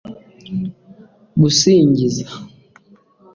kugusingiza (